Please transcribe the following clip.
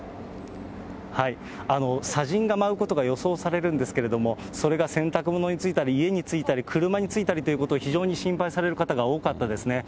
砂じんが舞うことが予想されるんですけれども、それが洗濯物についたり、家についたり、車についたりということを非常に心配される方が多かったですね。